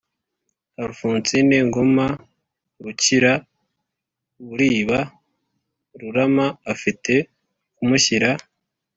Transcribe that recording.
Alphonsine Ngoma Rukira Buriba Rurama Afite kumushyira